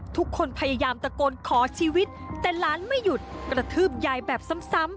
ทุกคนพยายามตะโกนขอชีวิตแต่หลานไม่หยุดกระทืบยายแบบซ้ำ